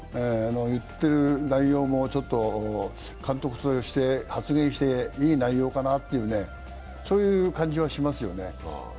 言ってる内容もちょっと監督として発言していい内容かなというそういう感じはしますよね。